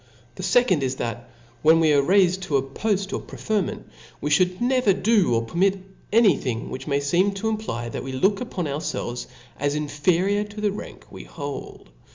The fecond is, that when we are raifed to a poft or preferment, we (hould never do or permit any thing, which may feeni to imply that we look up on ourfelves as inferior to the rank we hold.